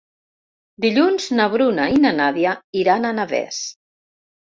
Dilluns na Bruna i na Nàdia iran a Navès.